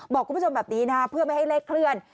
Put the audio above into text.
บอกคุณผู้ชมแบบนี้นะเพื่อไม่ให้เลขเคลื่อน